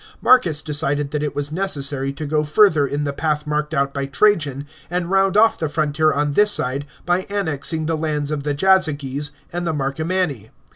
Marcus dec.ded that it was necessary to go further in the path marked out by Tra jan, and round off the frontier on this side by annexing the lauds of the Jazyges and the Marcomanni.